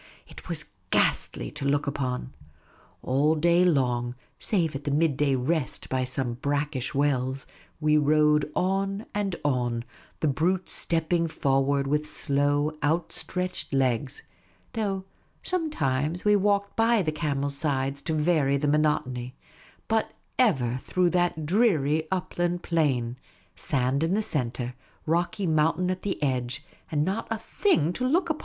It was ghastly to look upon. All day long, save at the midday rest by some brack ish wells, we rode on and on, the brutes stepping forward with slow, outstretched legs ; though sometimes we walked by the camels' sides to var}' the monotony ; but ever through that dreary upland plain, sand in the centre, rocky mountain at the edge, and not a thing to look at.